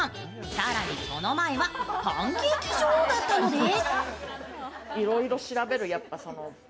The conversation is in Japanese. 更にその前はパンケーキ女王だったのです。